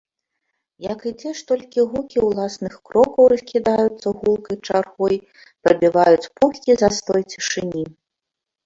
Як ідзеш, толькі гукі ўласных крокаў раскідаюцца гулкай чаргой, прабіваюць пухкі застой цішыні.